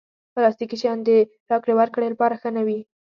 پلاستيکي شیان د راکړې ورکړې لپاره ښه نه وي.